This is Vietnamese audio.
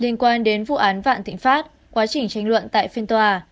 liên quan đến vụ án vạn thịnh pháp quá trình tranh luận tại phiên tòa